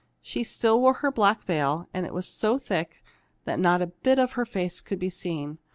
She still wore her black veil, and it was so thick that not a bit of her face could be seen.